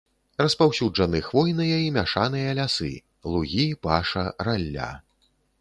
Распаўсюджаны хвойныя і мяшаныя лясы, лугі, паша, ралля.